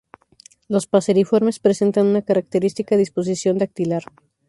Los paseriformes presentan una característica disposición dactilar.